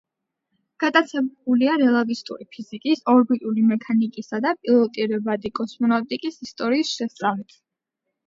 გატაცებულია რელატივისტური ფიზიკის, ორბიტული მექანიკისა და პილოტირებადი კოსმონავტიკის ისტორიის შესწავლით.